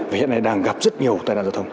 và hiện nay đang gặp rất nhiều tai nạn giao thông